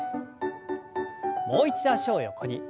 もう一度脚を横に。